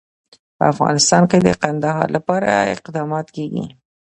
په افغانستان کې د کندهار لپاره اقدامات کېږي.